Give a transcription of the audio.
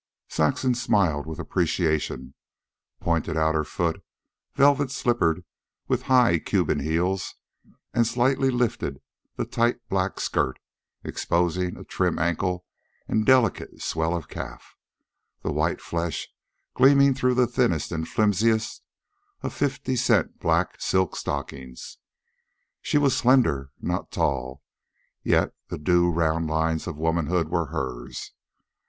Saxon smiled with appreciation, pointed out her foot, velvet slippered with high Cuban heels, and slightly lifted the tight black skirt, exposing a trim ankle and delicate swell of calf, the white flesh gleaming through the thinnest and flimsiest of fifty cent black silk stockings. She was slender, not tall, yet the due round lines of womanhood were hers.